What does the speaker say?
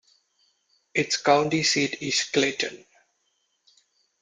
Its county seat is Clayton.